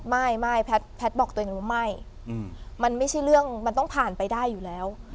ไม่ไม่แพทย์บอกตัวเองว่าไม่มันไม่ใช่เรื่องมันต้องผ่านไปได้อยู่แล้ว